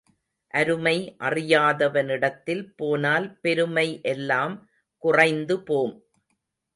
அருமை அறியாதவனிடத்தில் போனால் பெருமை எல்லாம் குறைந்து போம்.